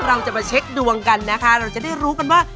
เราจะมาเช็คดวงกันนะคะเราจะได้รู้กันว่า